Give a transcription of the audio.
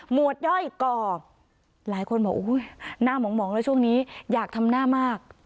วดย่อยก่อหลายคนบอกอุ้ยหน้าหมองแล้วช่วงนี้อยากทำหน้ามาก